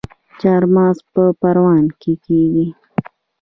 چارمغز په پروان کې کیږي